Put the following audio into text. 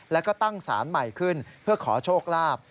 แล้วก็ตั้งสารใหม่ขึ้นเพื่อขอโชคลาภ